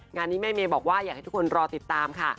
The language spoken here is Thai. งานนี้แม่เมย์บอกว่าอยากให้ทุกคนรอติดตามค่ะ